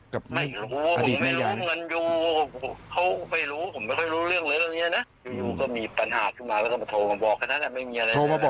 ครับ